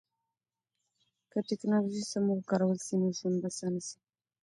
که ټکنالوژي سمه وکارول سي نو ژوند به اسانه سي.